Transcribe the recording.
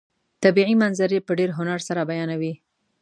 طبیعي منظرې په ډېر هنر سره بیانوي.